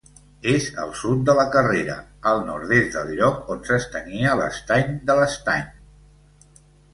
És al sud de la Carrera, al nord-est del lloc on s'estenia l'estany de l'Estany.